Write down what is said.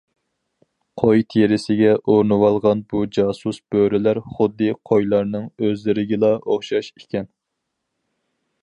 قوي تېرىسىگە ئورىنىۋالغان بۇ جاسۇس بۆرىلەر خۇددى قويلارنىڭ ئۆزلىرىگىلا ئوخشاش ئىكەن.